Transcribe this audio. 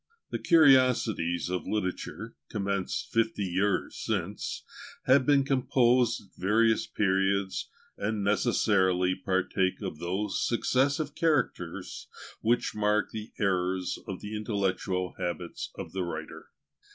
The "Curiosities of Literature," commenced fifty years since, have been composed at various periods, and necessarily partake of those successive characters which mark the eras of the intellectual habits of the writer.